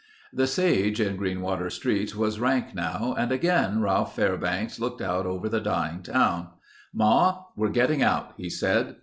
The sage in Greenwater streets was rank now and again Ralph Fairbanks looked out over the dying town. "Ma, we're getting out," he said.